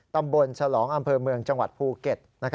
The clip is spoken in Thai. ตำบลฉลองอำเภอเมืองจังหวัดภูเก็ต